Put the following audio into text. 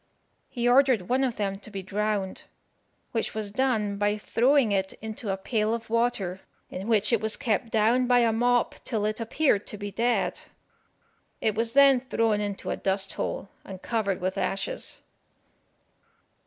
He ordered one of them to be drowned, which was done by throwing it into a pail of water, in which it was kept down by a mop till it appeared to be dead. It was then thrown into a dust hole, and covered with ashes.